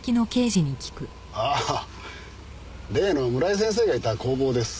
ああ例の村井先生がいた工房です。